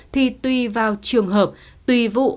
thì tùy vào trường hợp tùy vụ